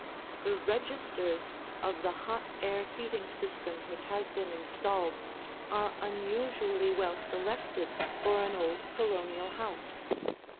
The registers of the hot air heating system which has been installed are unusually well selected for an old Colonial house.